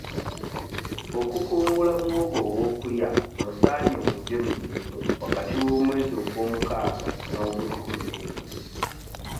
Okukungula muwogo ow'okulya osaanye omuggye mu nnimiro wakati w'omwezi ogw'omukaaga n'ogwe kkumi n'ebiri